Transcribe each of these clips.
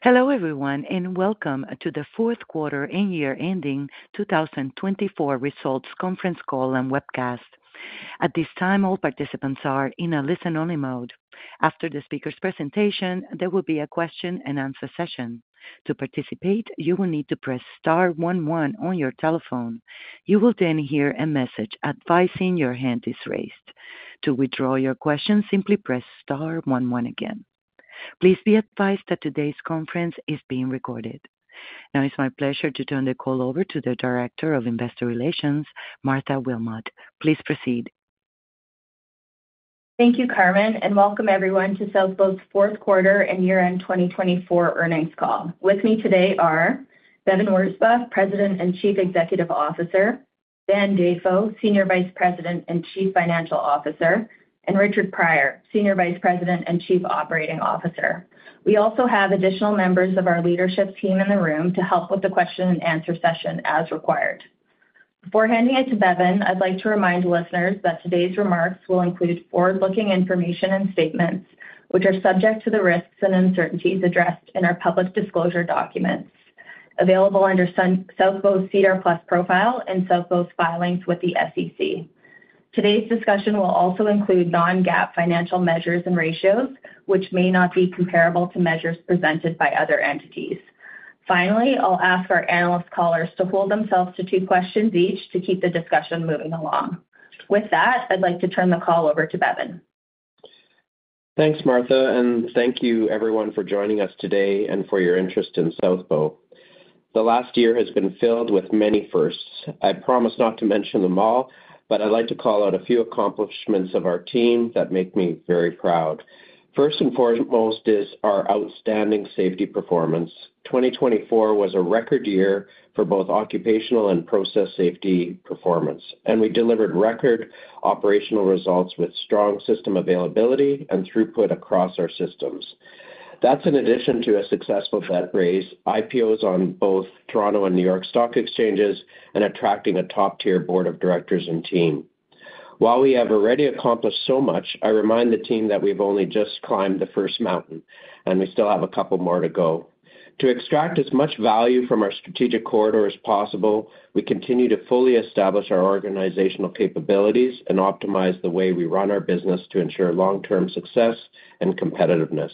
Hello, everyone, and welcome to the Fourth quarter and Year-ending 2024 Results Conference Call and Webcast. At this time, all participants are in a listen-only mode. After the speaker's presentation, there will be a question-and-answer session. To participate, you will need to press star one one on your telephone. You will then hear a message advising your hand is raised. To withdraw your question, simply press star one one again. Please be advised that today's conference is being recorded. Now, it's my pleasure to turn the call over to the Director of Investor Relations, Martha Wilmot. Please proceed. Thank you, Carmen, and welcome, everyone, to South Bow's Fourth quarter and Year-end 2024 Earnings Call. With me today are Bevin Wirzba, President and Chief Executive Officer; Van Dafoe, Senior Vice President and Chief Financial Officer; and Richard Prior, Senior Vice President and Chief Operating Officer. We also have additional members of our leadership team in the room to help with the question-and-answer session as required. Before handing it to Bevin, I'd like to remind listeners that today's remarks will include forward-looking information and statements, which are subject to the risks and uncertainties addressed in our public disclosure documents available under South Bow's SEDAR+ Profile and South Bow's filings with the SEC. Today's discussion will also include non-GAAP financial measures and ratios, which may not be comparable to measures presented by other entities. Finally, I'll ask our analyst callers to hold themselves to two questions each to keep the discussion moving along. With that, I'd like to turn the call over to Bevin. Thanks, Martha, and thank you, everyone, for joining us today and for your interest in South Bow. The last year has been filled with many firsts. I promised not to mention them all, but I'd like to call out a few accomplishments of our team that make me very proud. First and foremost is our outstanding safety performance. 2024 was a record year for both occupational and process safety performance, and we delivered record operational results with strong system availability and throughput across our systems. That's in addition to a successful debt raise, IPOs on both Toronto and New York Stock Exchanges, and attracting a top-tier board of directors and team. While we have already accomplished so much, I remind the team that we've only just climbed the first mountain, and we still have a couple more to go. To extract as much value from our strategic corridor as possible, we continue to fully establish our organizational capabilities and optimize the way we run our business to ensure long-term success and competitiveness.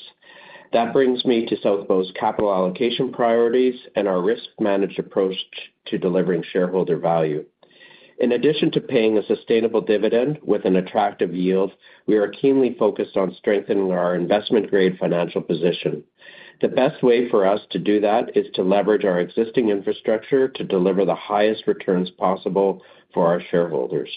That brings me to South Bow's capital allocation priorities and our risk-managed approach to delivering shareholder value. In addition to paying a sustainable dividend with an attractive yield, we are keenly focused on strengthening our investment-grade financial position. The best way for us to do that is to leverage our existing infrastructure to deliver the highest returns possible for our shareholders.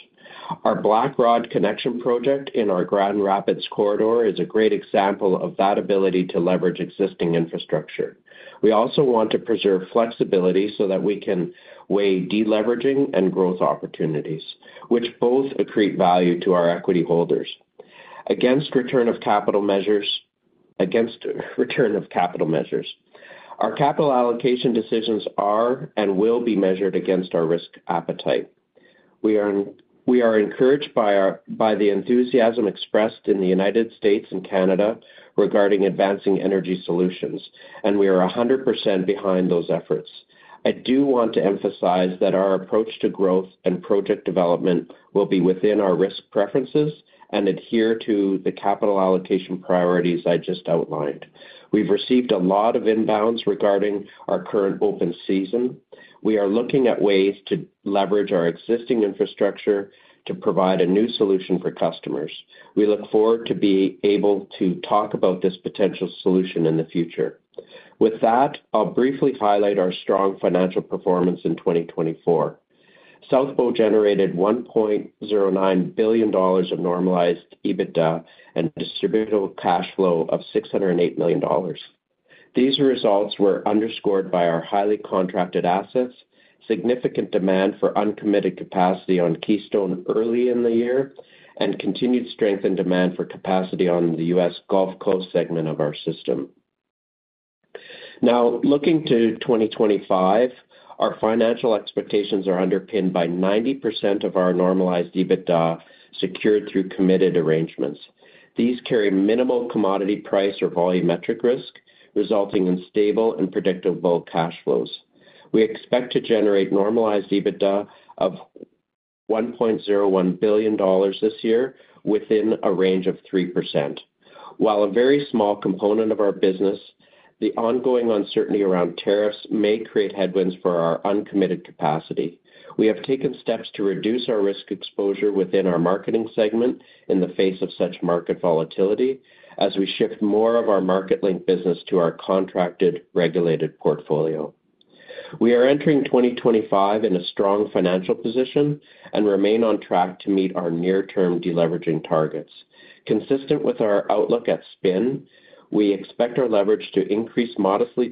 Our Blackrod Connection Project in our Grand Rapids Corridor is a great example of that ability to leverage existing infrastructure. We also want to preserve flexibility so that we can weigh deleveraging and growth opportunities, which both accrete value to our equity holders. Against return of capital measures, our capital allocation decisions are and will be measured against our risk appetite. We are encouraged by the enthusiasm expressed in the United States and Canada regarding advancing energy solutions, and we are 100% behind those efforts. I do want to emphasize that our approach to growth and project development will be within our risk preferences and adhere to the capital allocation priorities I just outlined. We've received a lot of inbounds regarding our current open season. We are looking at ways to leverage our existing infrastructure to provide a new solution for customers. We look forward to being able to talk about this potential solution in the future. With that, I'll briefly highlight our strong financial performance in 2024. South Bow generated $1.09 billion of normalized EBITDA and distributable cash flow of $608 million. These results were underscored by our highly contracted assets, significant demand for uncommitted capacity on Keystone early in the year, and continued strength in demand for capacity on the U.S. Gulf Coast segment of our system. Now, looking to 2025, our financial expectations are underpinned by 90% of our normalized EBITDA secured through committed arrangements. These carry minimal commodity price or volumetric risk, resulting in stable and predictable cash flows. We expect to generate normalized EBITDA of $1.01 billion this year within a range of 3%. While a very small component of our business, the ongoing uncertainty around tariffs may create headwinds for our uncommitted capacity. We have taken steps to reduce our risk exposure within our marketing segment in the face of such market volatility as we shift more of our market-linked business to our contracted regulated portfolio. We are entering 2025 in a strong financial position and remain on track to meet our near-term deleveraging targets. Consistent with our outlook at spin, we expect our leverage to increase modestly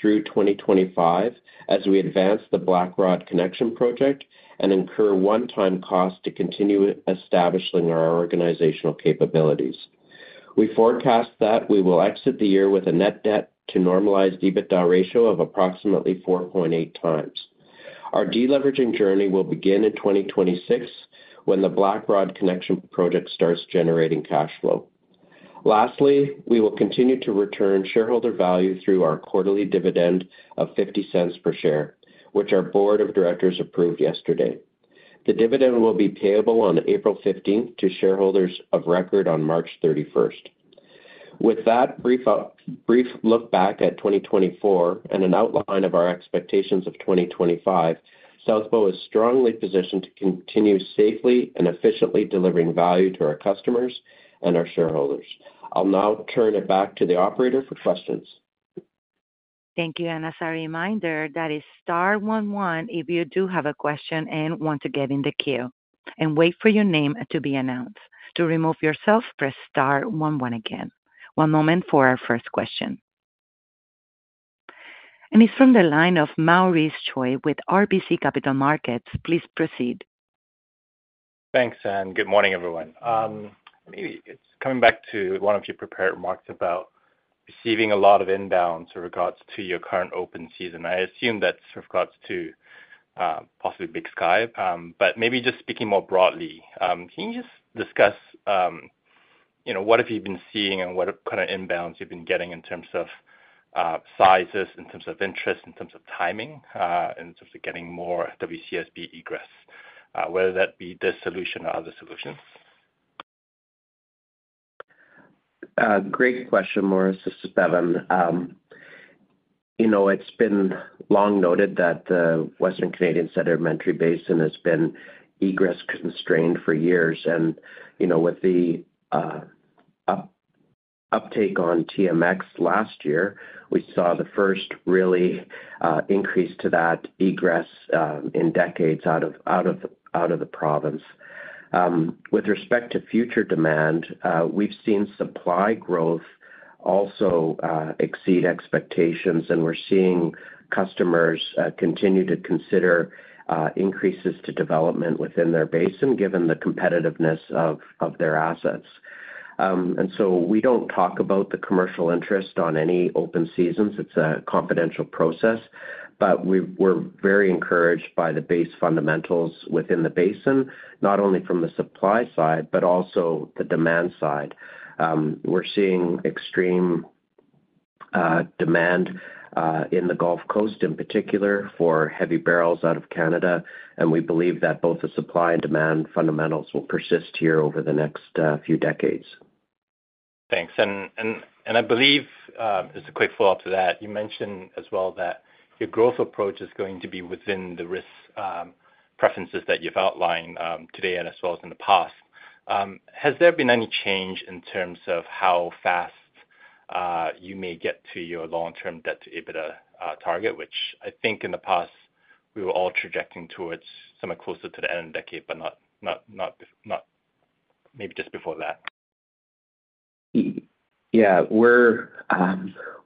through 2025 as we advance the Blackrod Connection Project and incur one-time costs to continue establishing our organizational capabilities. We forecast that we will exit the year with a net debt-to-normalized EBITDA ratio of approximately 4.8 times. Our deleveraging journey will begin in 2026 when the Blackrod Connection Project starts generating cash flow. Lastly, we will continue to return shareholder value through our quarterly dividend of $0.50 per share, which our board of directors approved yesterday. The dividend will be payable on April 15th to shareholders of record on March 31st. With that brief look back at 2024 and an outline of our expectations of 2025, South Bow is strongly positioned to continue safely and efficiently delivering value to our customers and our shareholders. I'll now turn it back to the operator for questions. Thank you, and as a reminder, that is star one one if you do have a question and want to get in the queue and wait for your name to be announced. To remove yourself, press star one one again. One moment for our first question. And it's from the line of Maurice Choy with RBC Capital Markets. Please proceed. Thanks, and good morning, everyone. Maybe it's coming back to one of your prepared remarks about receiving a lot of inbounds with regards to your current open season. I assume that's with regards to possibly Big Sky, but maybe just speaking more broadly, can you just discuss what have you been seeing and what kind of inbounds you've been getting in terms of sizes, in terms of interest, in terms of timing, in terms of getting more WCSB egress, whether that be this solution or other solutions? Great question, Maurice. This is Bevin. It's been long noted that the Western Canadian Sedimentary Basin has been egress-constrained for years, and with the uptake on TMX last year, we saw the first real increase to that egress in decades out of the province. With respect to future demand, we've seen supply growth also exceed expectations, and we're seeing customers continue to consider increases to development within their basin given the competitiveness of their assets, and so we don't talk about the commercial interest on any open seasons. It's a confidential process, but we're very encouraged by the basic fundamentals within the basin, not only from the supply side but also the demand side. We're seeing extreme demand in the Gulf Coast in particular for heavy barrels out of Canada, and we believe that both the supply and demand fundamentals will persist here over the next few decades. Thanks, and I believe as a quick follow-up to that, you mentioned as well that your growth approach is going to be within the risk preferences that you've outlined today and as well as in the past. Has there been any change in terms of how fast you may get to your long-term debt-to-EBITDA target, which I think in the past we were all projecting towards somewhat closer to the end of the decade, but not maybe just before that? Yeah, we're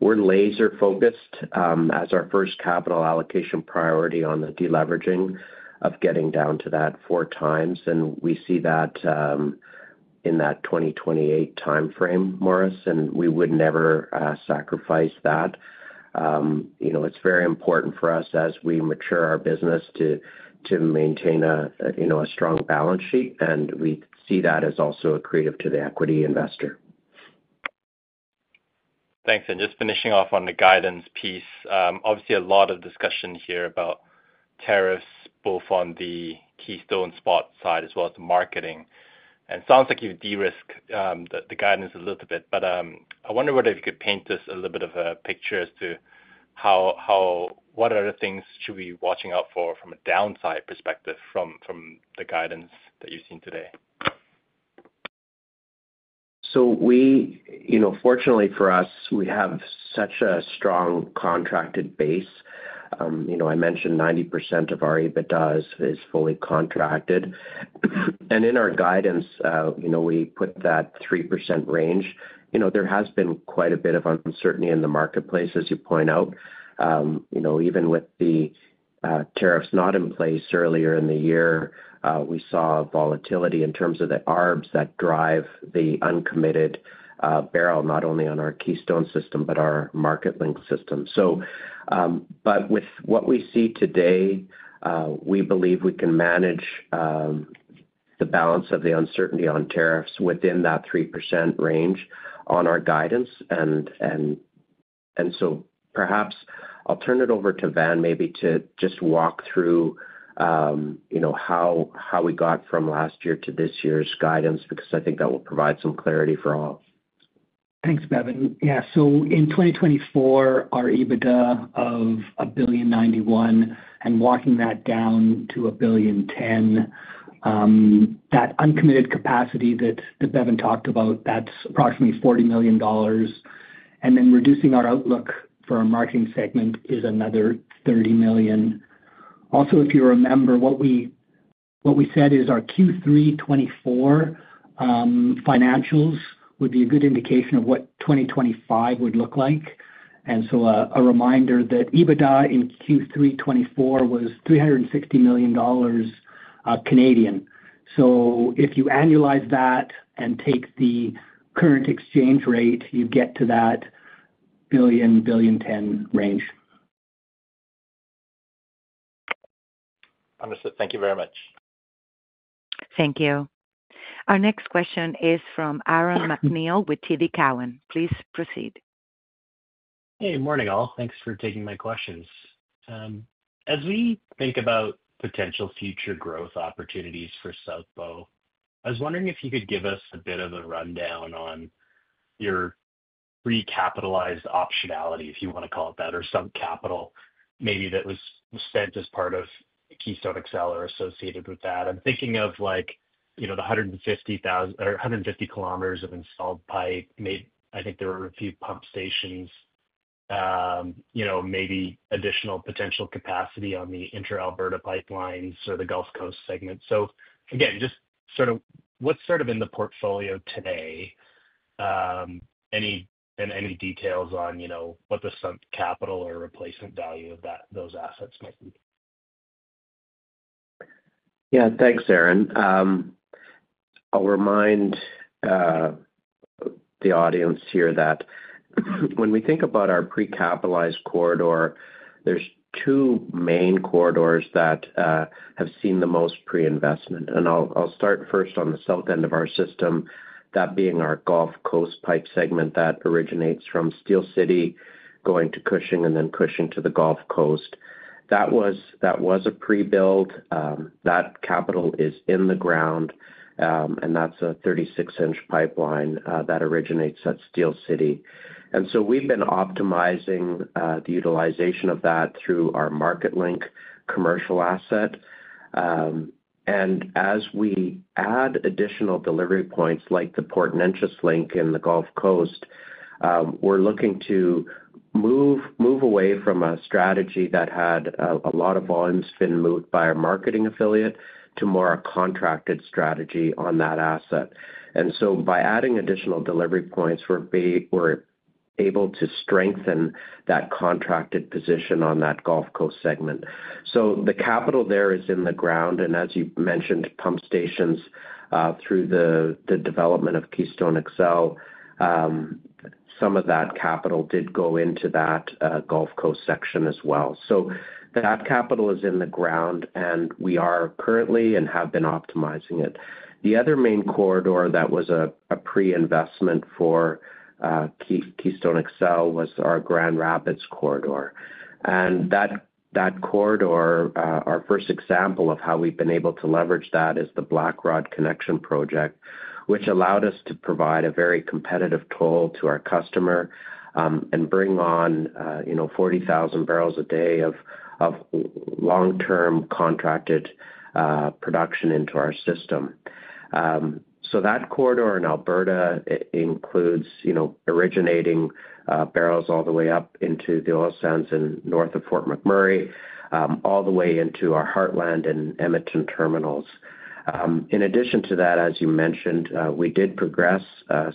laser-focused as our first capital allocation priority on the deleveraging of getting down to that four times, and we see that in that 2028 timeframe, Maurice, and we would never sacrifice that. It's very important for us as we mature our business to maintain a strong balance sheet, and we see that as also accretive to the equity investor. Thanks. And just finishing off on the guidance piece, obviously a lot of discussion here about tariffs both on the Keystone spot side as well as the marketing. And it sounds like you've de-risked the guidance a little bit, but I wonder whether you could paint us a little bit of a picture as to what other things should we be watching out for from a downside perspective from the guidance that you've seen today? Fortunately for us, we have such a strong contracted base. I mentioned 90% of our EBITDA is fully contracted. And in our guidance, we put that 3% range. There has been quite a bit of uncertainty in the marketplace, as you point out. Even with the tariffs not in place earlier in the year, we saw volatility in terms of the arb that drive the uncommitted barrel not only on our Keystone system but our market-linked system. But with what we see today, we believe we can manage the balance of the uncertainty on tariffs within that 3% range on our guidance. And so perhaps I'll turn it over to Van maybe to just walk through how we got from last year to this year's guidance because I think that will provide some clarity for all. Thanks, Bevin. Yeah, so in 2024, our EBITDA of $1.91 billion and walking that down to $1.10 billion, that uncommitted capacity that Bevin talked about, that's approximately $40 million. And then reducing our outlook for our marketing segment is another $30 million. Also, if you remember, what we said is our Q3 2024 financials would be a good indication of what 2025 would look like. And so a reminder that EBITDA in Q3 2024 was 360 million Canadian dollars. So if you annualize that and take the current exchange rate, you get to that $1.00-$1.10 billion range. Understood. Thank you very much. Thank you. Our next question is from Aaron MacNeil with TD Cowen. Please proceed. Hey, morning all. Thanks for taking my questions. As we think about potential future growth opportunities for South Bow, I was wondering if you could give us a bit of a rundown on your recapitalized optionality, if you want to call it that, or some capital maybe that was spent as part of Keystone XL or associated with that. I'm thinking of the 150 km of installed pipe. I think there were a few pump stations, maybe additional potential capacity on the Inter-Alberta pipelines or the Gulf Coast segment. So again, just sort of what's in the portfolio today and any details on what the capital or replacement value of those assets might be? Yeah, thanks, Aaron. I'll remind the audience here that when we think about our precapitalized corridor, there's two main corridors that have seen the most pre-investment, and I'll start first on the south end of our system, that being our Gulf Coast pipe segment that originates from Steele City going to Cushing and then Cushing to the Gulf Coast. That was a pre-build. That capital is in the ground, and that's a 36-inch pipeline that originates at Steele City, and so we've been optimizing the utilization of that through our Marketlink commercial asset, and as we add additional delivery points like the Port Neches Link in the Gulf Coast, we're looking to move away from a strategy that had a lot of volumes been moved by our marketing affiliate to more a contracted strategy on that asset. And so by adding additional delivery points, we're able to strengthen that contracted position on that Gulf Coast segment. So the capital there is in the ground. And as you mentioned, pump stations through the development of Keystone XL, some of that capital did go into that Gulf Coast section as well. So that capital is in the ground, and we are currently and have been optimizing it. The other main corridor that was a pre-investment for Keystone XL was our Grand Rapids Corridor. And that corridor, our first example of how we've been able to leverage that is the Black Rod Connection Project, which allowed us to provide a very competitive toll to our customer and bring on 40,000 barrels a day of long-term contracted production into our system. So that corridor in Alberta includes originating barrels all the way up into the Oil Sands and north of Fort McMurray, all the way into our Heartland and Edmonton terminals. In addition to that, as you mentioned, we did progress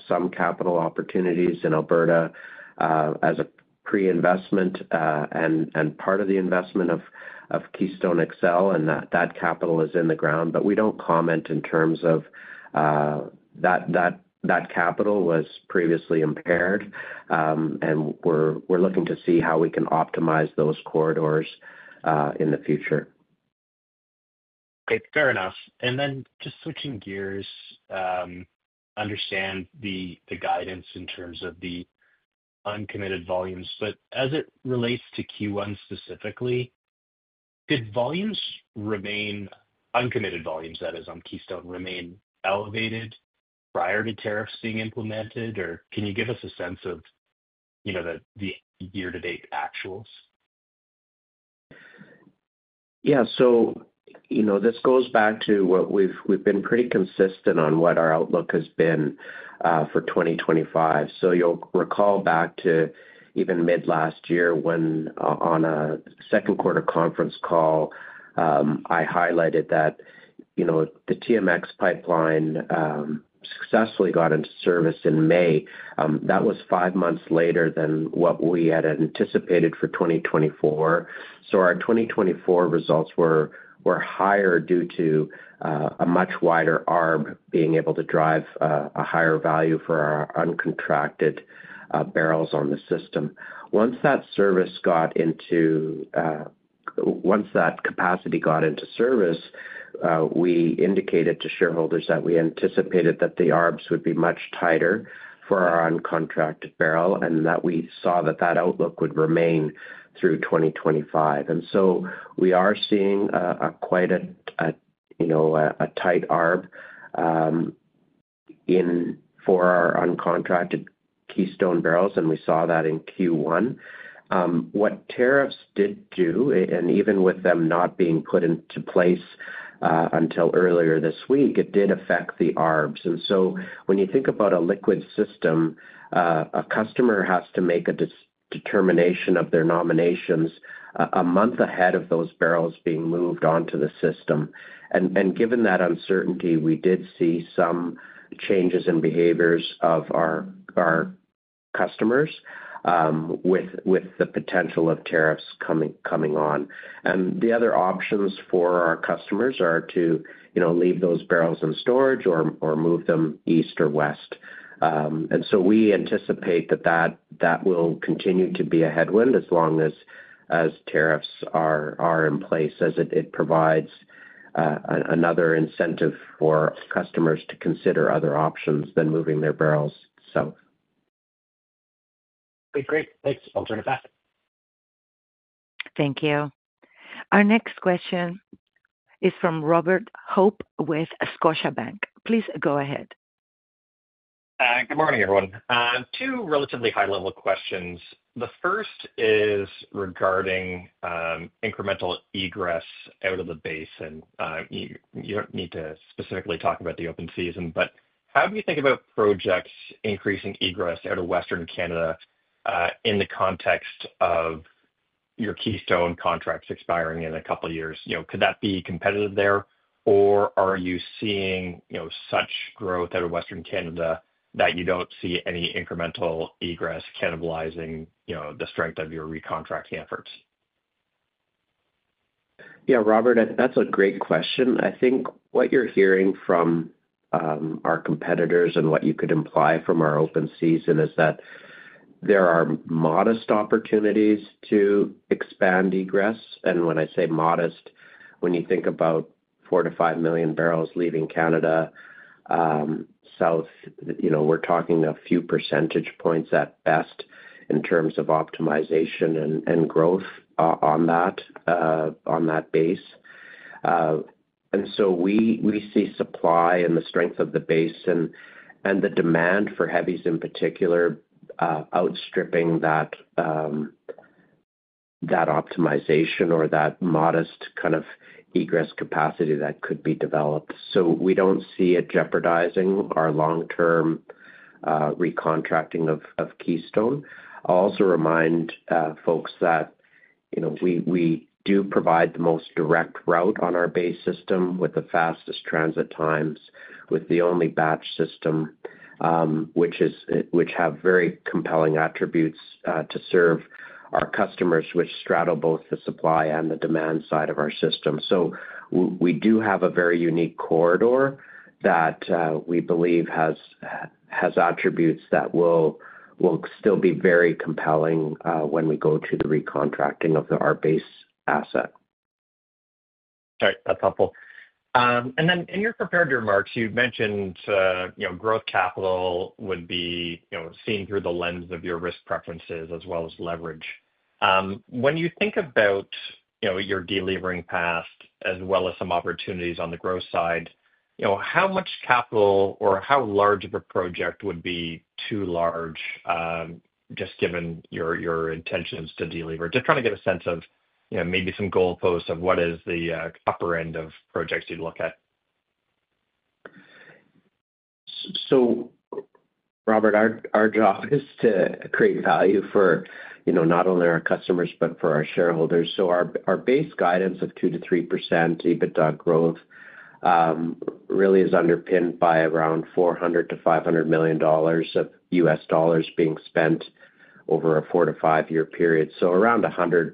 some capital opportunities in Alberta as a pre-investment and part of the investment of Keystone XL, and that capital is in the ground. But we don't comment in terms of that capital was previously impaired, and we're looking to see how we can optimize those corridors in the future. Okay, fair enough. And then just switching gears, understand the guidance in terms of the uncommitted volumes. But as it relates to Q1 specifically, did volumes remain uncommitted volumes, that is, on Keystone remain elevated prior to tariffs being implemented, or can you give us a sense of the year-to-date actuals? Yeah, so this goes back to what we've been pretty consistent on what our outlook has been for 2025. So you'll recall back to even mid-last year when on a second quarter conference call, I highlighted that the TMX pipeline successfully got into service in May. That was five months later than what we had anticipated for 2024. So our 2024 results were higher due to a much wider arb being able to drive a higher value for our uncontracted barrels on the system. Once that capacity got into service, we indicated to shareholders that we anticipated that the arb would be much tighter for our uncontracted barrel and that we saw that outlook would remain through 2025. And so we are seeing quite a tight arb for our uncontracted Keystone barrels, and we saw that in Q1. What tariffs did do, and even with them not being put into place until earlier this week, it did affect the arb, and so when you think about a liquid system, a customer has to make a determination of their nominations a month ahead of those barrels being moved onto the system, and given that uncertainty, we did see some changes in behaviors of our customers with the potential of tariffs coming on, and the other options for our customers are to leave those barrels in storage or move them east or west, and so we anticipate that that will continue to be a headwind as long as tariffs are in place, as it provides another incentive for customers to consider other options than moving their barrels south. Okay, great. Thanks. I'll turn it back. Thank you. Our next question is from Robert Hope with Scotiabank. Please go ahead. Good morning, everyone. Two relatively high-level questions. The first is regarding incremental egress out of the basin. You don't need to specifically talk about the open season, but how do you think about projects increasing egress out of Western Canada in the context of your Keystone contracts expiring in a couple of years? Could that be competitive there, or are you seeing such growth out of Western Canada that you don't see any incremental egress cannibalizing the strength of your recontracting efforts? Yeah, Robert, that's a great question. I think what you're hearing from our competitors and what you could imply from our open season is that there are modest opportunities to expand egress. And when I say modest, when you think about four to five million barrels leaving Canada, south, we're talking a few percentage points at best in terms of optimization and growth on that base. And so we see supply and the strength of the base and the demand for heavies in particular outstripping that optimization or that modest kind of egress capacity that could be developed. So we don't see it jeopardizing our long-term recontracting of Keystone. I'll also remind folks that we do provide the most direct route on our base system with the fastest transit times with the only batch system, which have very compelling attributes to serve our customers which straddle both the supply and the demand side of our system. So we do have a very unique corridor that we believe has attributes that will still be very compelling when we go to the recontracting of our base asset. All right. That's helpful. And then in your prepared remarks, you've mentioned growth capital would be seen through the lens of your risk preferences as well as leverage. When you think about your delivering past as well as some opportunities on the growth side, how much capital or how large of a project would be too large just given your intentions to deliver? Just trying to get a sense of maybe some goalposts of what is the upper end of projects you'd look at. So Robert, our job is to create value for not only our customers but for our shareholders. So our base guidance of 2%-3% EBITDA growth really is underpinned by around $400-$500 million of US dollars being spent over a four- to five-year period. So around $100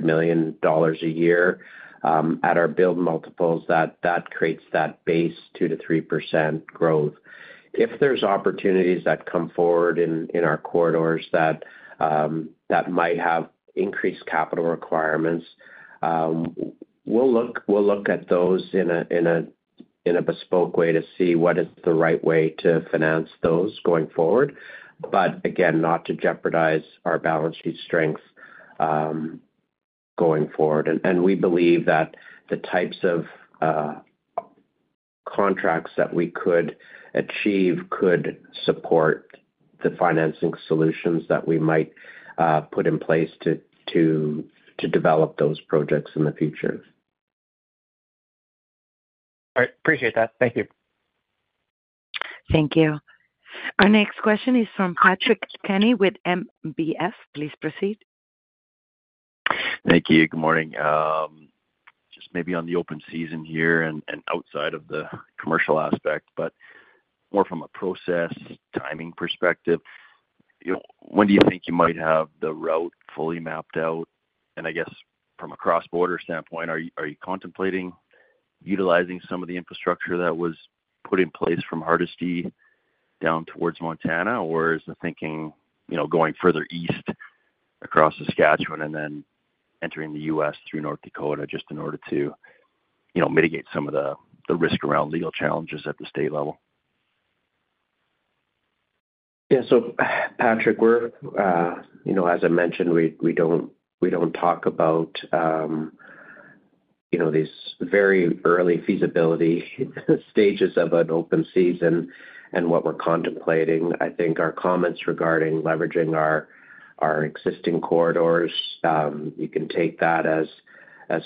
million a year at our build multiples, that creates that base 2%-3% growth. If there's opportunities that come forward in our corridors that might have increased capital requirements, we'll look at those in a bespoke way to see what is the right way to finance those going forward. But again, not to jeopardize our balance sheet strength going forward. And we believe that the types of contracts that we could achieve could support the financing solutions that we might put in place to develop those projects in the future. All right. Appreciate that. Thank you. Thank you. Our next question is from Patrick Kenny with NBF. Please proceed. Thank you. Good morning. Just maybe on the open season here and outside of the commercial aspect, but more from a process timing perspective, when do you think you might have the route fully mapped out? And I guess from a cross-border standpoint, are you contemplating utilizing some of the infrastructure that was put in place from Hardisty down towards Montana, or is the thinking going further east across Saskatchewan and then entering the U.S. through North Dakota just in order to mitigate some of the risk around legal challenges at the state level? Yeah. So Patrick, as I mentioned, we don't talk about these very early feasibility stages of an open season and what we're contemplating. I think our comments regarding leveraging our existing corridors, you can take that as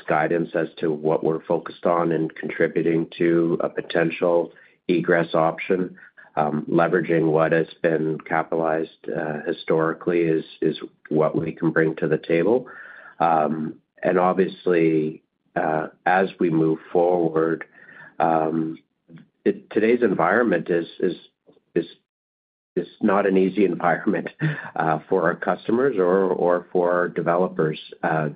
guidance as to what we're focused on in contributing to a potential egress option. Leveraging what has been capitalized historically is what we can bring to the table. And obviously, as we move forward, today's environment is not an easy environment for our customers or for our developers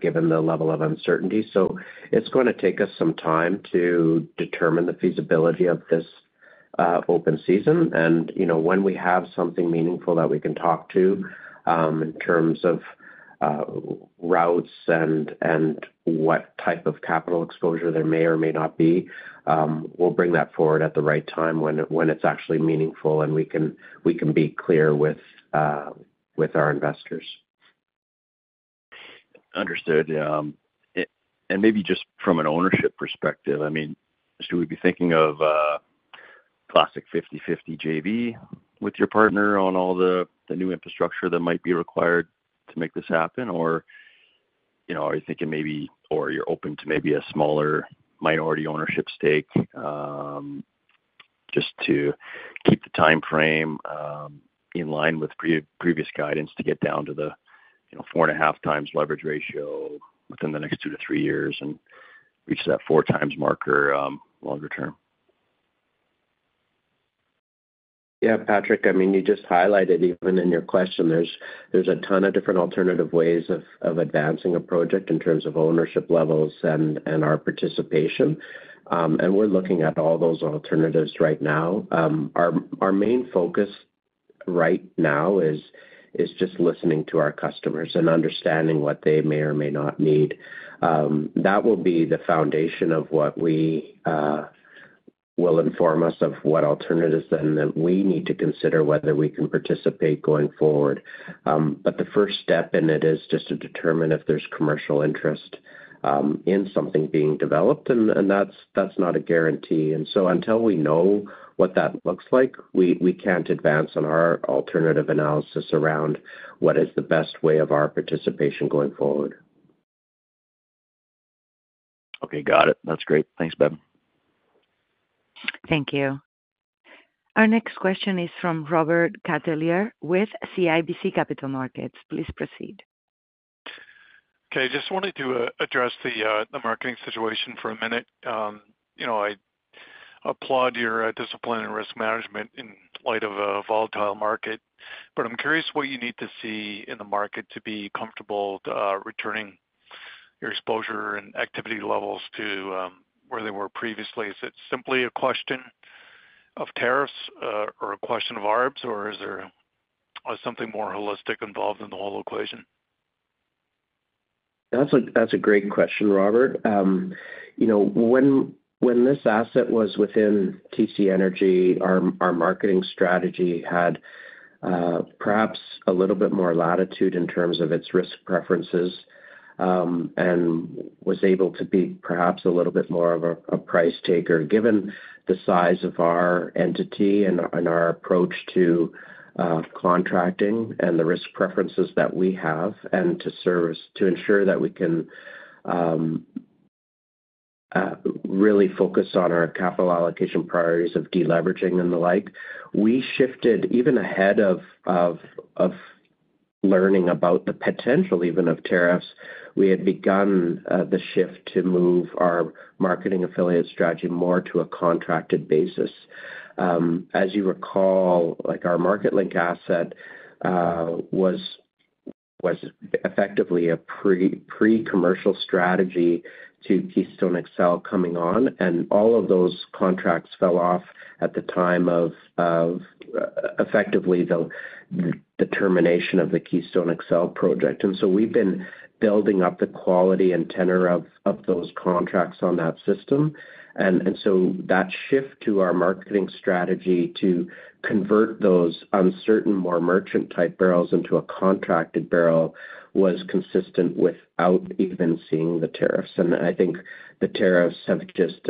given the level of uncertainty. So it's going to take us some time to determine the feasibility of this open season. When we have something meaningful that we can talk to in terms of routes and what type of capital exposure there may or may not be, we'll bring that forward at the right time when it's actually meaningful and we can be clear with our investors. Understood. And maybe just from an ownership perspective, I mean, should we be thinking of a classic 50/50 JV with your partner on all the new infrastructure that might be required to make this happen? Or are you thinking maybe or you're open to maybe a smaller minority ownership stake just to keep the time frame in line with previous guidance to get down to the four and a half times leverage ratio within the next two to three years and reach that four times marker longer term? Yeah, Patrick, I mean, you just highlighted even in your question, there's a ton of different alternative ways of advancing a project in terms of ownership levels and our participation. And we're looking at all those alternatives right now. Our main focus right now is just listening to our customers and understanding what they may or may not need. That will be the foundation of what we will inform us of what alternatives then that we need to consider whether we can participate going forward. But the first step in it is just to determine if there's commercial interest in something being developed, and that's not a guarantee. And so until we know what that looks like, we can't advance on our alternative analysis around what is the best way of our participation going forward. Okay. Got it. That's great. Thanks, Bev. Thank you. Our next question is from Robert Catellier with CIBC Capital Markets. Please proceed. Okay. Just wanted to address the marketing situation for a minute. I applaud your discipline and risk management in light of a volatile market, but I'm curious what you need to see in the market to be comfortable returning your exposure and activity levels to where they were previously. Is it simply a question of tariffs or a question of arb, or is there something more holistic involved in the whole equation? That's a great question, Robert. When this asset was within TC Energy, our marketing strategy had perhaps a little bit more latitude in terms of its risk preferences and was able to be perhaps a little bit more of a price taker given the size of our entity and our approach to contracting and the risk preferences that we have and to ensure that we can really focus on our capital allocation priorities of deleveraging and the like. We shifted even ahead of learning about the potential even of tariffs. We had begun the shift to move our marketing affiliate strategy more to a contracted basis. As you recall, our Marketlink asset was effectively a pre-commercial strategy to Keystone XL coming on, and all of those contracts fell off at the time of effectively the termination of the Keystone XL project. And so we've been building up the quality and tenor of those contracts on that system. And so that shift to our marketing strategy to convert those uncertain, more merchant-type barrels into a contracted barrel was consistent without even seeing the tariffs. And I think the tariffs have just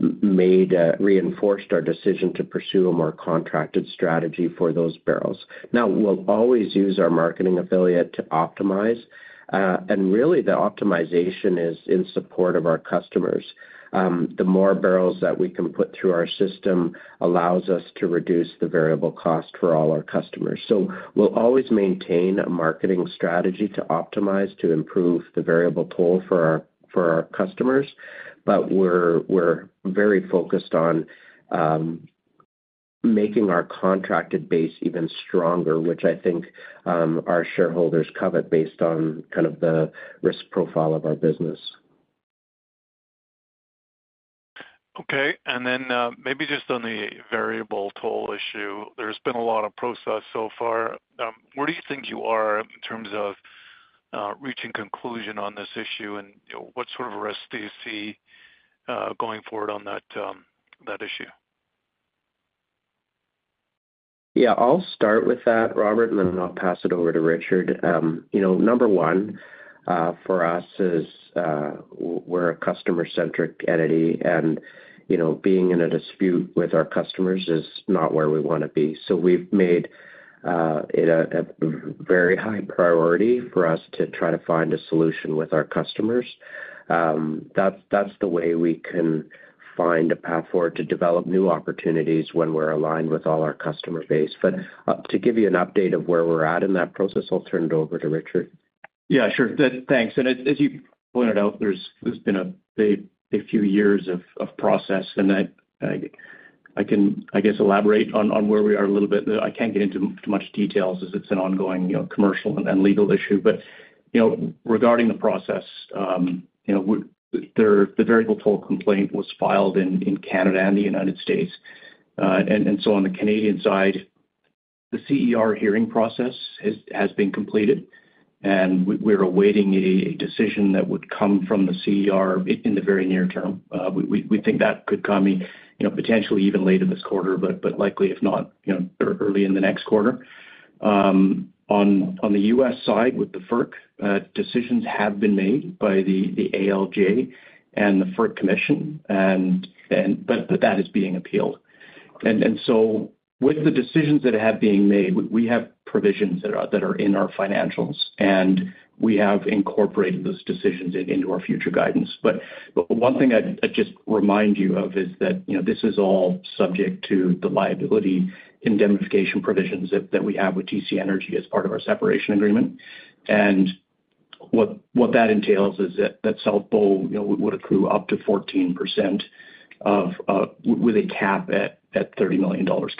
reinforced our decision to pursue a more contracted strategy for those barrels. Now, we'll always use our marketing affiliate to optimize. And really, the optimization is in support of our customers. The more barrels that we can put through our system allows us to reduce the variable cost for all our customers. So we'll always maintain a marketing strategy to optimize to improve the variable toll for our customers, but we're very focused on making our contracted base even stronger, which I think our shareholders covet based on kind of the risk profile of our business. Okay. And then maybe just on the variable toll issue, there's been a lot of process so far. Where do you think you are in terms of reaching conclusion on this issue, and what sort of risks do you see going forward on that issue? Yeah. I'll start with that, Robert, and then I'll pass it over to Richard. Number one for us is we're a customer-centric entity, and being in a dispute with our customers is not where we want to be. So we've made it a very high priority for us to try to find a solution with our customers. That's the way we can find a path forward to develop new opportunities when we're aligned with all our customer base. But to give you an update of where we're at in that process, I'll turn it over to Richard. Yeah, sure. Thanks. And as you pointed out, there's been a few years of process, and I can, I guess, elaborate on where we are a little bit. I can't get into too much details as it's an ongoing commercial and legal issue. But regarding the process, the variable toll complaint was filed in Canada and the United States. And so on the Canadian side, the CER hearing process has been completed, and we're awaiting a decision that would come from the CER in the very near term. We think that could come potentially even late in this quarter, but likely, if not, early in the next quarter. On the US side with the FERC, decisions have been made by the ALJ and the FERC Commission, but that is being appealed. And so with the decisions that have been made, we have provisions that are in our financials, and we have incorporated those decisions into our future guidance. But one thing I'd just remind you of is that this is all subject to the liability indemnification provisions that we have with TC Energy as part of our separation agreement. And what that entails is that South Bow would accrue up to 14% with a cap at 30 million dollars.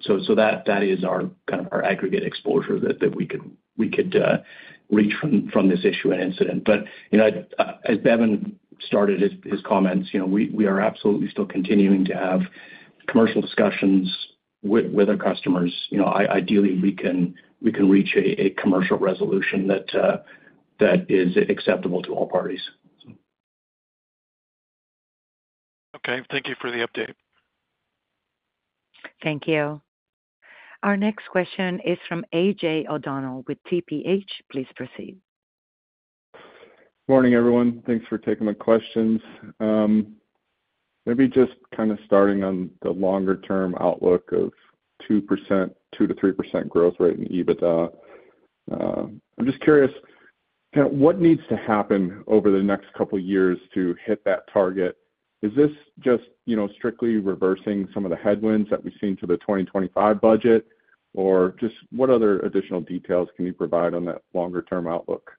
So that is kind of our aggregate exposure that we could reach from this issue and incident. But as Bevin started his comments, we are absolutely still continuing to have commercial discussions with our customers. Ideally, we can reach a commercial resolution that is acceptable to all parties. Okay. Thank you for the update. Thank you. Our next question is from AJ O'Donnell with TPH. Please proceed. Morning, everyone. Thanks for taking my questions. Maybe just kind of starting on the longer-term outlook of 2%-3% growth rate in EBITDA. I'm just curious, what needs to happen over the next couple of years to hit that target? Is this just strictly reversing some of the headwinds that we've seen to the 2025 budget, or just what other additional details can you provide on that longer-term outlook?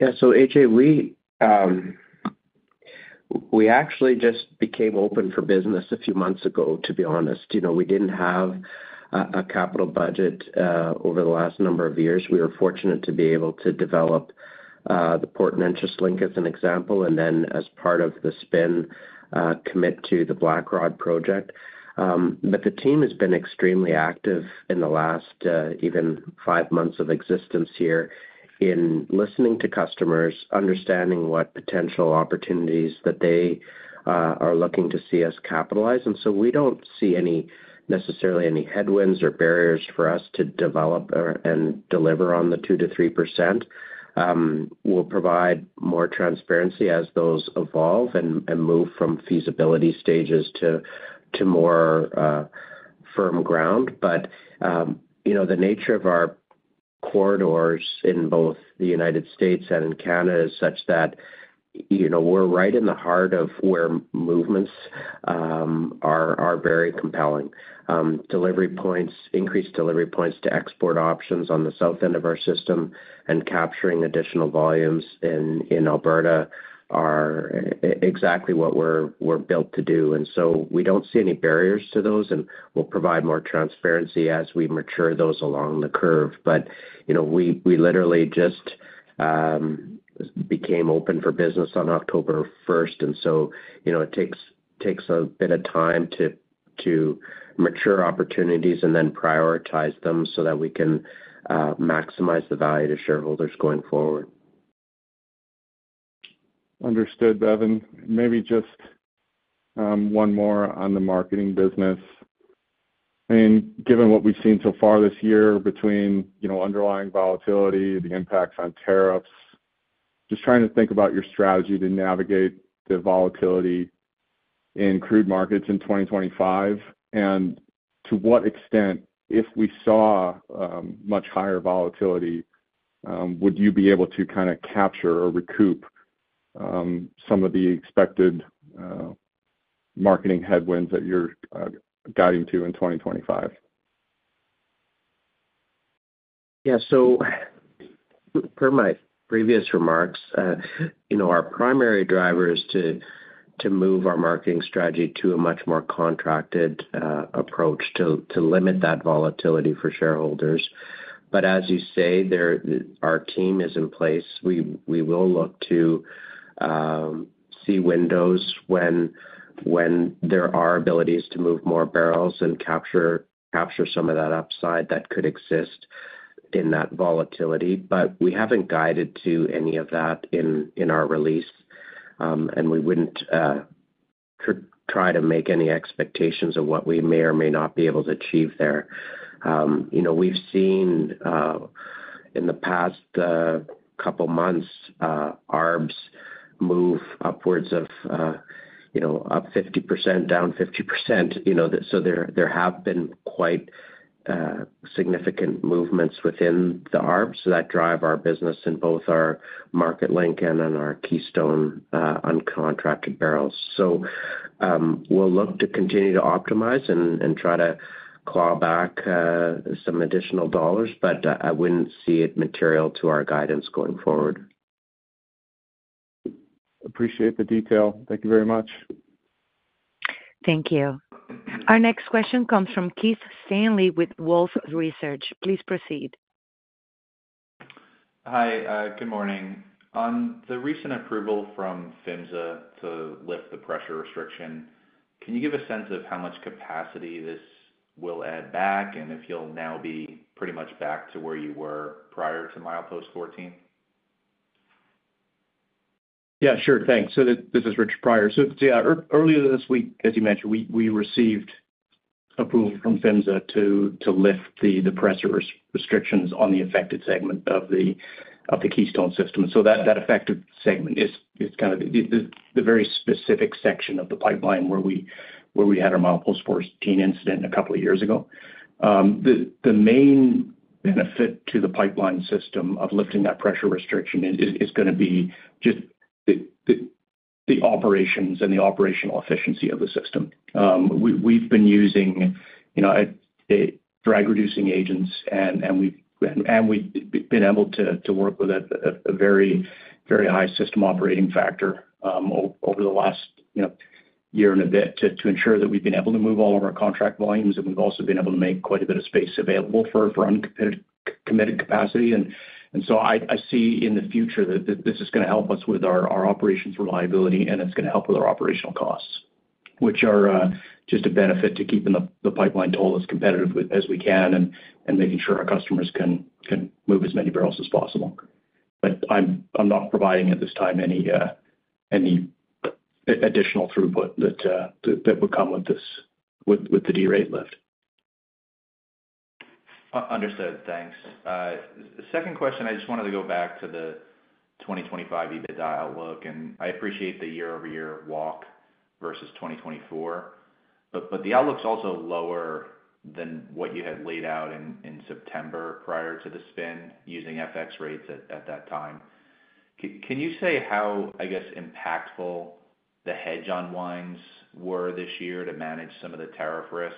Yeah. So AJ, we actually just became open for business a few months ago, to be honest. We didn't have a capital budget over the last number of years. We were fortunate to be able to develop the Port Neches Link as an example and then, as part of the spin, commit to the Blackrod project. But the team has been extremely active in the last even five months of existence here in listening to customers, understanding what potential opportunities that they are looking to see us capitalize. And so we don't see necessarily any headwinds or barriers for us to develop and deliver on the 2%-3%. We'll provide more transparency as those evolve and move from feasibility stages to more firm ground. But the nature of our corridors in both the United States and in Canada is such that we're right in the heart of where movements are very compelling. Delivery points, increased delivery points to export options on the south end of our system and capturing additional volumes in Alberta are exactly what we're built to do. And so we don't see any barriers to those, and we'll provide more transparency as we mature those along the curve. But we literally just became open for business on October 1st. And so it takes a bit of time to mature opportunities and then prioritize them so that we can maximize the value to shareholders going forward. Understood, Bevin. Maybe just one more on the marketing business. I mean, given what we've seen so far this year between underlying volatility, the impacts on tariffs, just trying to think about your strategy to navigate the volatility in crude markets in 2025, and to what extent, if we saw much higher volatility, would you be able to kind of capture or recoup some of the expected marketing headwinds that you're guiding to in 2025? Yeah. So per my previous remarks, our primary driver is to move our marketing strategy to a much more contracted approach to limit that volatility for shareholders. But as you say, our team is in place. We will look to see windows when there are abilities to move more barrels and capture some of that upside that could exist in that volatility. But we haven't guided to any of that in our release, and we wouldn't try to make any expectations of what we may or may not be able to achieve there. We've seen in the past couple of months, arb move upwards of up 50%, down 50%. So there have been quite significant movements within the arb that drive our business in both our Marketlink and in our Keystone uncontracted barrels. So we'll look to continue to optimize and try to claw back some additional dollars, but I wouldn't see it material to our guidance going forward. Appreciate the detail. Thank you very much. Thank you. Our next question comes from Keith Stanley with Wolfe Research. Please proceed. Hi. Good morning. On the recent approval from PHMSA to lift the pressure restriction, can you give a sense of how much capacity this will add back and if you'll now be pretty much back to where you were prior to Milepost 14? Yeah, sure. Thanks. This is Richard Prior. Earlier this week, as you mentioned, we received approval from PHMSA to lift the pressure restrictions on the affected segment of the Keystone system. That affected segment is kind of the very specific section of the pipeline where we had our Milepost 14 incident a couple of years ago. The main benefit to the pipeline system of lifting that pressure restriction is going to be just the operations and the operational efficiency of the system. We've been using drag-reducing agents, and we've been able to work with a very high system operating factor over the last year and a bit to ensure that we've been able to move all of our contract volumes, and we've also been able to make quite a bit of space available for uncommitted capacity. And so I see in the future that this is going to help us with our operations reliability, and it's going to help with our operational costs, which are just a benefit to keeping the pipeline toll as competitive as we can and making sure our customers can move as many barrels as possible. But I'm not providing at this time any additional throughput that would come with the derate lift. Understood. Thanks. Second question, I just wanted to go back to the 2025 EBITDA outlook, and I appreciate the year-over-year walk versus 2024, but the outlook's also lower than what you had laid out in September prior to the spin using FX rates at that time. Can you say how, I guess, impactful the hedge on FX were this year to manage some of the toll risks?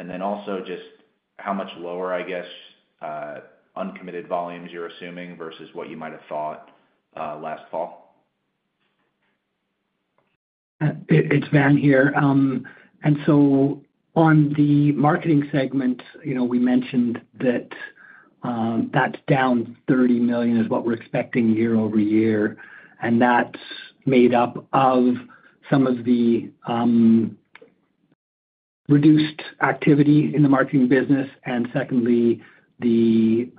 And then also just how much lower, I guess, uncommitted volumes you're assuming versus what you might have thought last fall? It's Van here, and so on the marketing segment, we mentioned that that's down $30 million is what we're expecting year over year, and that's made up of some of the reduced activity in the marketing business and, secondly, the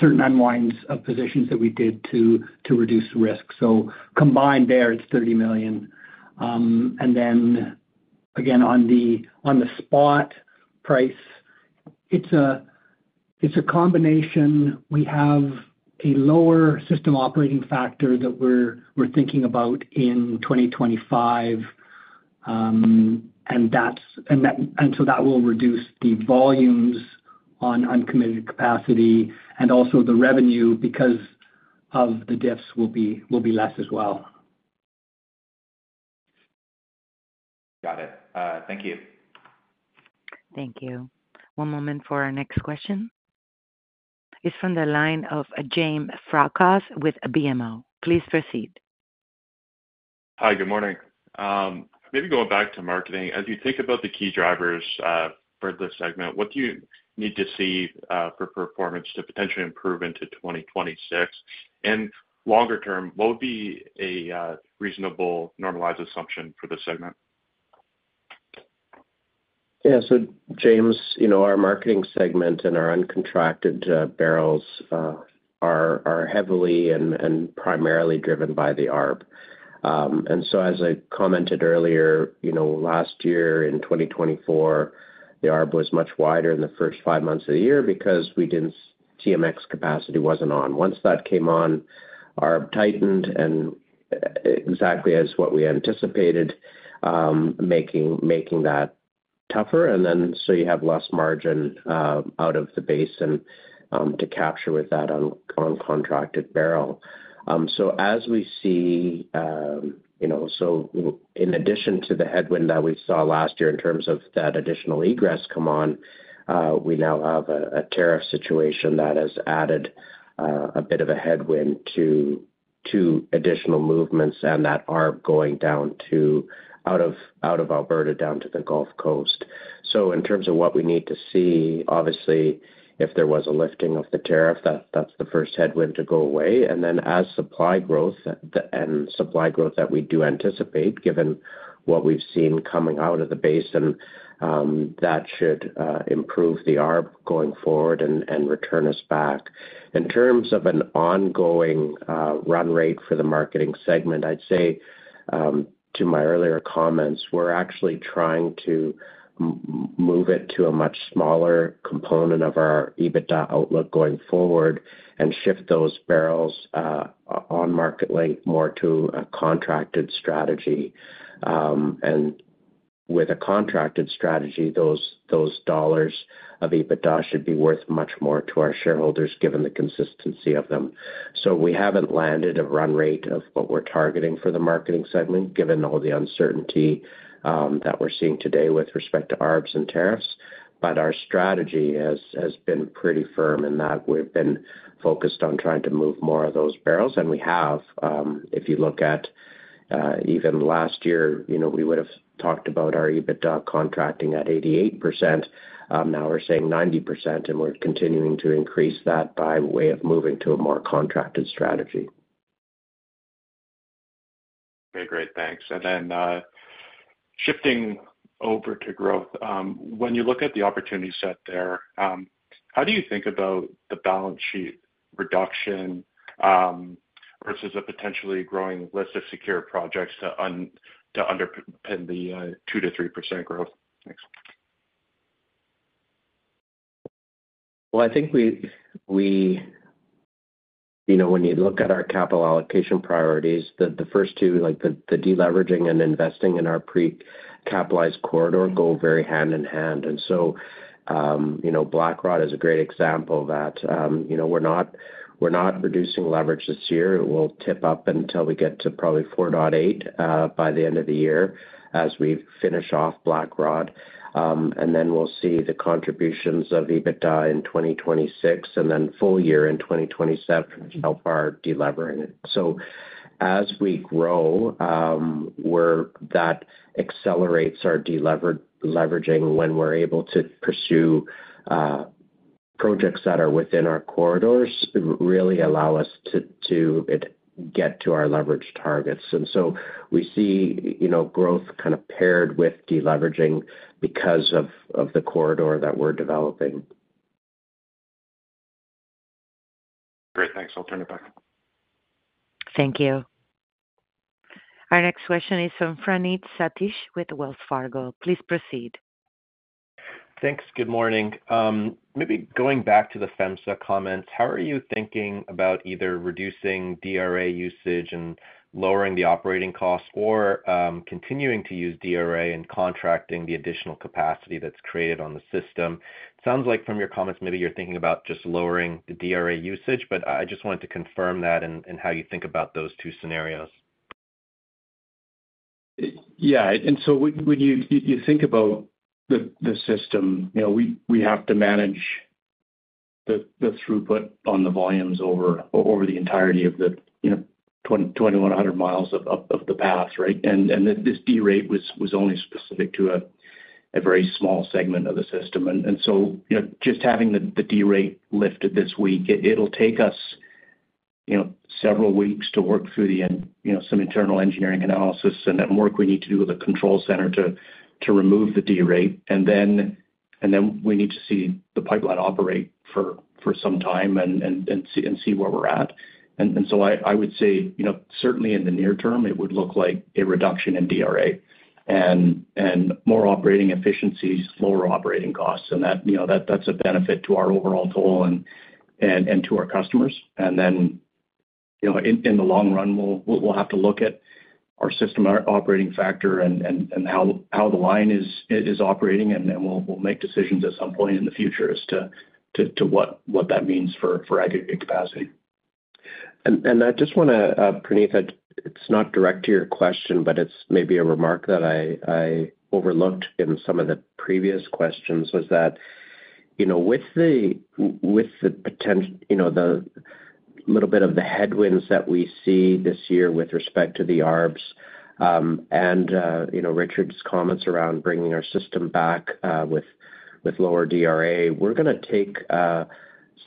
certain unwinds of positions that we did to reduce risk, so combined there, it's $30 million, and then, again, on the spot price, it's a combination. We have a lower system operating factor that we're thinking about in 2025, and so that will reduce the volumes on uncommitted capacity and also the revenue because of the dips will be less as well. Got it. Thank you. Thank you. One moment for our next question. It's from the line of James Fracas with BMO. Please proceed. Hi. Good morning. Maybe going back to marketing, as you think about the key drivers for this segment, what do you need to see for performance to potentially improve into 2026? And longer term, what would be a reasonable normalized assumption for the segment? Yeah. So, James, our marketing segment and our uncontracted barrels are heavily and primarily driven by the arb, and so, as I commented earlier, last year in 2024, the arb was much wider in the first five months of the year because TMX capacity wasn't on. Once that came on, arb tightened exactly as what we anticipated, making that tougher, and then so you have less margin out of the basin to capture with that uncontracted barrel, so as we see, so in addition to the headwind that we saw last year in terms of that additional egress come on, we now have a tariff situation that has added a bit of a headwind to additional movements and that arb going down out of Alberta down to the Gulf Coast. So in terms of what we need to see, obviously, if there was a lifting of the tariff, that's the first headwind to go away. And then as supply growth and supply growth that we do anticipate, given what we've seen coming out of the basin, that should improve the arb going forward and return us back. In terms of an ongoing run rate for the marketing segment, I'd say to my earlier comments, we're actually trying to move it to a much smaller component of our EBITDA outlook going forward and shift those barrels on Marketlink more to a contracted strategy. And with a contracted strategy, those dollars of EBITDA should be worth much more to our shareholders given the consistency of them. So we haven't landed a run rate of what we're targeting for the marketing segment, given all the uncertainty that we're seeing today with respect to arb and tariffs. But our strategy has been pretty firm in that we've been focused on trying to move more of those barrels. And we have. If you look at even last year, we would have talked about our EBITDA contracting at 88%. Now we're saying 90%, and we're continuing to increase that by way of moving to a more contracted strategy. Okay. Great. Thanks. And then shifting over to growth, when you look at the opportunity set there, how do you think about the balance sheet reduction versus a potentially growing list of secure projects to underpin the 2%-3% growth? Thanks. I think when you look at our capital allocation priorities, the first two, like the deleveraging and investing in our pre-capitalized corridor, go very hand in hand. Blackrod is a great example of that. We're not reducing leverage this year. It will tick up until we get to probably 4.8 by the end of the year as we finish off Blackrod. We'll see the contributions of EBITDA in 2026 and then full year in 2027 help our deleveraging. As we grow, that accelerates our deleveraging when we're able to pursue projects that are within our corridors really allow us to get to our leverage targets. We see growth kind of paired with deleveraging because of the corridor that we're developing. Great. Thanks. I'll turn it back. Thank you. Our next question is from Praneeth Satish with Wells Fargo. Please proceed. Thanks. Good morning. Maybe going back to the PHMSA comments, how are you thinking about either reducing DRA usage and lowering the operating costs or continuing to use DRA and contracting the additional capacity that's created on the system? It sounds like from your comments, maybe you're thinking about just lowering the DRA usage, but I just wanted to confirm that and how you think about those two scenarios. Yeah. And so when you think about the system, we have to manage the throughput on the volumes over the entirety of the 2,100 miles of the path, right? And this derate was only specific to a very small segment of the system. And so just having the derate lifted this week, it'll take us several weeks to work through some internal engineering analysis and then work we need to do with the control center to remove the derate. And then we need to see the pipeline operate for some time and see where we're at. And so I would say certainly in the near term, it would look like a reduction in DRA and more operating efficiencies, lower operating costs. And that's a benefit to our overall toll and to our customers. In the long run, we'll have to look at our system operating factor and how the line is operating, and we'll make decisions at some point in the future as to what that means for aggregate capacity. I just want to, Praneeth, it's not direct to your question, but it's maybe a remark that I overlooked in some of the previous questions was that with the potential, the little bit of the headwinds that we see this year with respect to the arb and Richard's comments around bringing our system back with lower DRA, we're going to take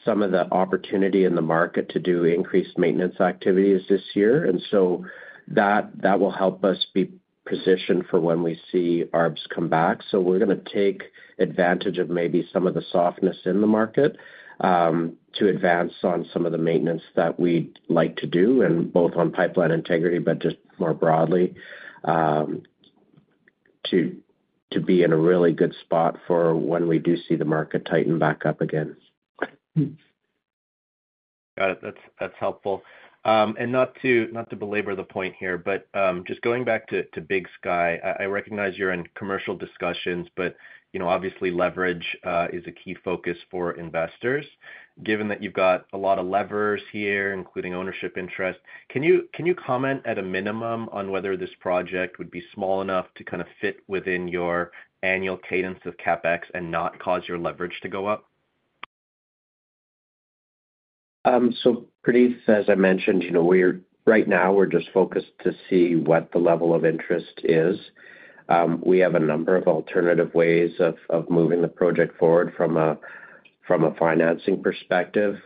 some of the opportunity in the market to do increased maintenance activities this year, and so that will help us be positioned for when we see arb come back, so we're going to take advantage of maybe some of the softness in the market to advance on some of the maintenance that we'd like to do, and both on pipeline integrity, but just more broadly to be in a really good spot for when we do see the market tighten back up again. Got it. That's helpful. And not to belabor the point here, but just going back to Big Sky, I recognize you're in commercial discussions, but obviously leverage is a key focus for investors. Given that you've got a lot of levers here, including ownership interest, can you comment at a minimum on whether this project would be small enough to kind of fit within your annual cadence of CapEx and not cause your leverage to go up? So Praneeth, as I mentioned, right now, we're just focused to see what the level of interest is. We have a number of alternative ways of moving the project forward from a financing perspective,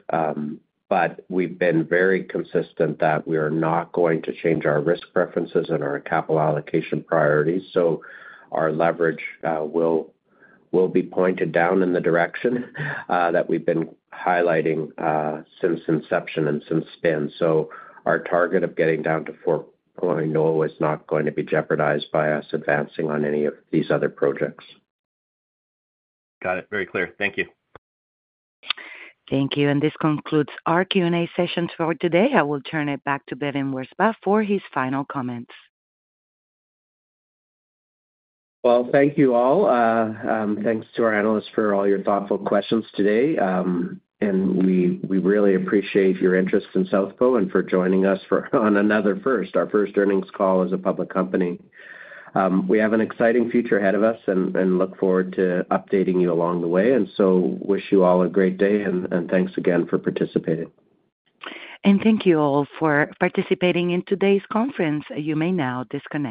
but we've been very consistent that we are not going to change our risk preferences and our capital allocation priorities. So our leverage will be pointed down in the direction that we've been highlighting since inception and since spin. So our target of getting down to 4.0 is not going to be jeopardized by us advancing on any of these other projects. Got it. Very clear. Thank you. Thank you. And this concludes our Q&A session for today. I will turn it back to Bevin Wirzba for his final comments. Thank you all. Thanks to our analysts for all your thoughtful questions today. We really appreciate your interest in South Bow and for joining us on another first, our first earnings call as a public company. We have an exciting future ahead of us and look forward to updating you along the way. Wish you all a great day and thanks again for participating. Thank you all for participating in today's conference. You may now disconnect.